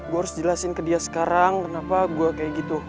gue harus jelasin ke dia sekarang kenapa gue kayak gitu